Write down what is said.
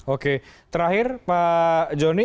oke terakhir pak johnny